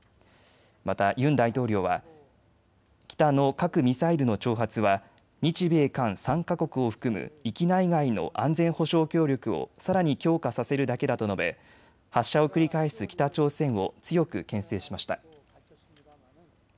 またユン大統領は北の核・ミサイルの挑発は日米韓３か国を含む域内外の安全保障協力をさらに強化させるだけだと述べ発射を繰り返す北朝鮮を強くけん制しました。